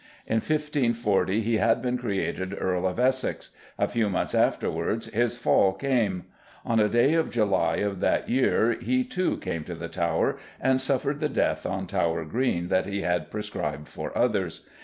In 1540 he had been created Earl of Essex; a few months afterwards his fall came; on a day of July in that year he, too, came to the Tower and suffered the death, on Tower Green, that he had prescribed for others.